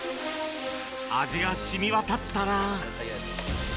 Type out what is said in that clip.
味が染み渡ったら。